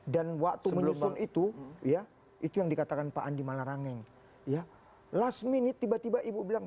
dan waktu menyusun itu ya itu yang dikatakan pak andi malarangeng ya last minute tiba tiba ibu bilang